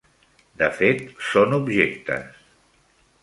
De fet, són objectes.